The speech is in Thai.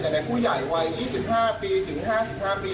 แต่ในผู้ใหญ่วัย๒๕ปีถึง๕๕ปี